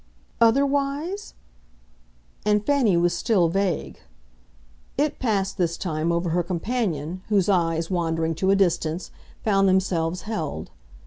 "'Otherwise'?" and Fanny was still vague. It passed, this time, over her companion, whose eyes, wandering, to a distance, found themselves held.